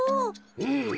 うん。